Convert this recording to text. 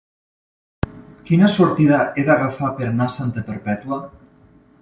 Quina sortida he d'agafar per anar a Santa Perpètua?